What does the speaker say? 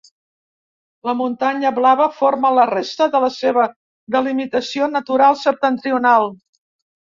La Muntanya Blava forma la resta de la seva delimitació natural septentrional.